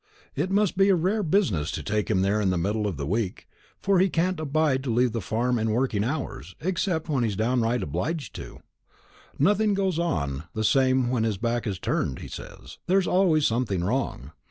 It must be a rare business to take him there in the middle of the week; for he can't abide to leave the farm in working hours, except when he's right down obliged to it. Nothing goes on the same when his back's turned, he says; there's always something wrong.